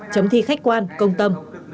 chấm thi khách quan công tâm